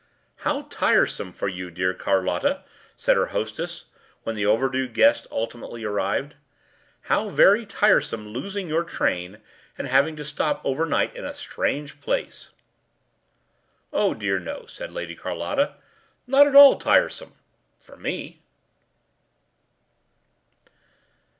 “How tiresome for you, dear Carlotta,” said her hostess, when the overdue guest ultimately arrived; “how very tiresome losing your train and having to stop overnight in a strange place.” “Oh dear, no,” said Lady Carlotta; “not at all tiresome—for me.